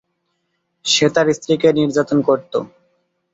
সে তার স্ত্রীকে নির্যাতন করত।